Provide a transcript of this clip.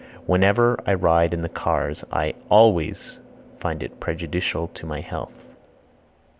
Whenever I ride in the cars I (always) find it prejudicial to my health.